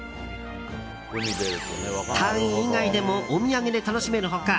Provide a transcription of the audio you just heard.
隊員以外でもお土産で楽しめる他